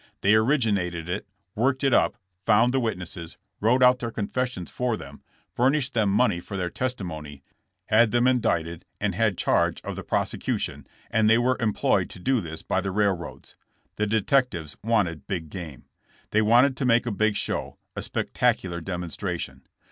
They originated it, worked it up, found the witnesses, wrote out their confessions for them, furnished them money for their testimony, had him indicted and had charge of the prosecution, and they were employed to do this by the railroads. The detectives wanted big game. They wanted to make a big show, a spectacular demonstration.